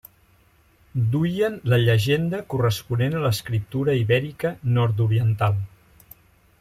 Duien la llegenda corresponent a l'escriptura ibèrica nord-oriental.